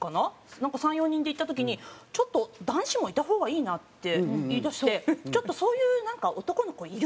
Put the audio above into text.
なんか３４人で行った時に「ちょっと男子もいた方がいいな」って言い出して「ちょっとそういうなんか男の子いるんだよ」と。